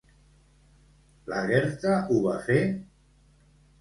Lagertha ho va fer?